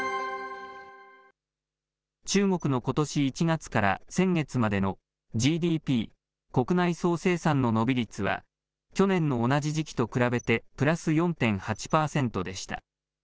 中国のことし１月から先月までのＧＤＰ・国内総生産の伸び率は、去年の同じ時期と比べてプラス４．８％でした。